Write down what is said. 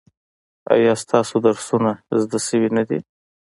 ایا ستاسو درسونه زده شوي نه دي؟